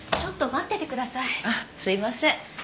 あっすいません。